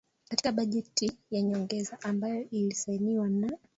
Katika bajeti ya nyongeza ambayo ilisainiwa na